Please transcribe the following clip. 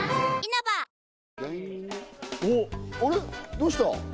どうした？